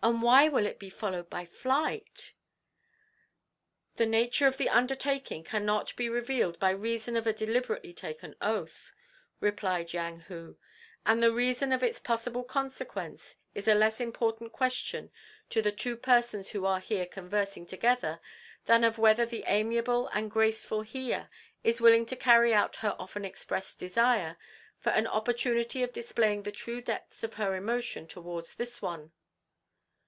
and why will it be followed by flight?" "The nature of the undertaking cannot be revealed by reason of a deliberately taken oath," replied Yang Hu; "and the reason of its possible consequence is a less important question to the two persons who are here conversing together than of whether the amiable and graceful Hiya is willing to carry out her often expressed desire for an opportunity of displaying the true depths of her emotions towards this one."